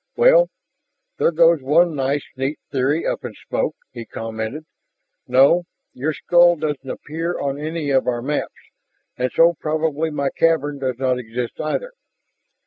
"Well, there goes one nice neat theory up in smoke!" he commented. "No, your skull doesn't appear on any of our maps, and so probably my cavern does not exist either.